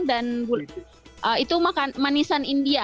dan itu manisan india